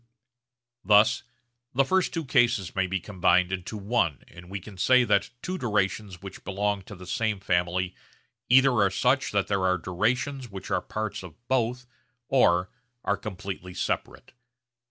Thus the first two cases may be combined into one and we can say that two durations which belong to the same family either are such that there are durations which are parts of both or are completely separate.